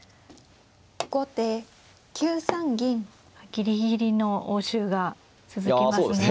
ギリギリの応酬が続きますね。